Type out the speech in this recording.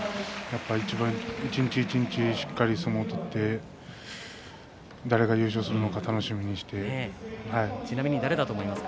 一日一日しっかりと相撲を取って誰が優勝するのか楽しみにしています。